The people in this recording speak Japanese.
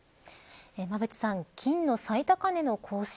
馬渕さん、金の最高値の更新